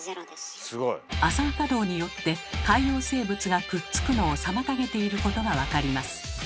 亜酸化銅によって海洋生物がくっつくのを妨げていることが分かります。